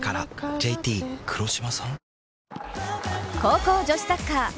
ＪＴ黒島さん？